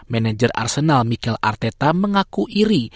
manager arsenal mikel arteta mengaku iri